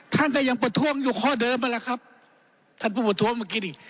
ท่านก็ยังประท้วงอยู่ข้อเดิมนั่นแหละครับท่านผู้ประท้วงเมื่อกี้นี่